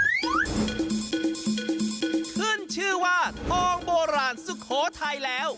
ขึ้นชื่อว่าทองโบราณสุโขทัยแล้ว